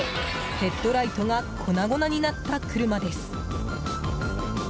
ヘッドライトが粉々になった車です。